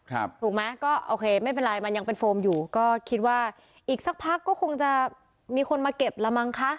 ถูกไหมก็โอเคไม่เป็นไรมันยังเป็นโฟมอยู่ก็คิดว่าอีกสักพักก็คงจะมีคนมาเก็บละมั้งคะ